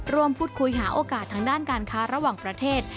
พูดคุยหาโอกาสทางด้านการค้าระหว่างประเทศ